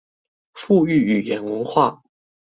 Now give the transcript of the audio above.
復育語言文化